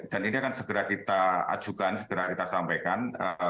dan ini akan segera kita ajukan segera kita sampaikan